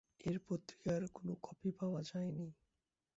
এ পত্রিকার কোন কপি পাওয়া যায়নি।